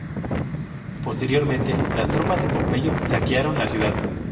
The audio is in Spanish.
Posteriormente las tropas de Pompeyo saquearon la ciudad.